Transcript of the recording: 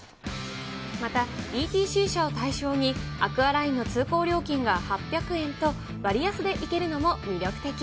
また、ＥＴＣ車を対象に、アクアラインの通行料金が８００円と、割安で行けるのも魅力的。